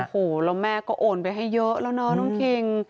โอ้โหแล้วแม่ก็โอนไปให้เยอะแล้วเนาะน้องคิง